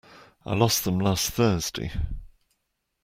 I lost them last Thursday.